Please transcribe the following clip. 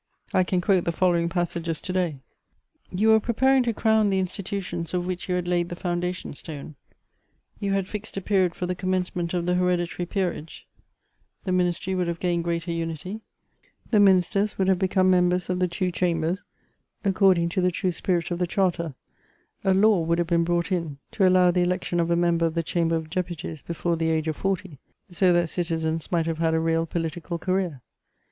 I can quote the following passages to day; they in no way belie my life: "SIRE, "You were preparing to crown the institutions of which you had laid the foundation stone.... You had fixed a period for the commencement of the hereditary peerage; the ministry would have gained greater unity; the ministers I would have become members of the two Chambers, according to the true spirit of the Charter; a law would have been brought in to allow the election of a member of the Chamber of Deputies before the age of forty, so that citizens might have had a real political career.